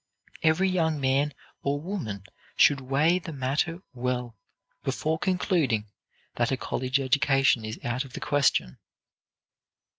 Every young man or woman should weigh the matter well before concluding that a college education is out of the question.